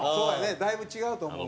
だいぶ違うと思う。